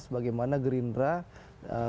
bagaimana gerindra setelah itu melakukan evaluasi penuh